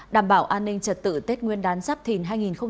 đảm bảo an ninh trật tự tết nguyên đán giáp thìn hai nghìn hai mươi bốn